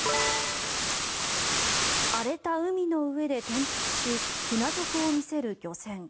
荒れた海の上で転覆し船底を見せる漁船。